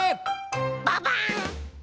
ババン！